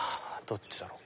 どっちだろう？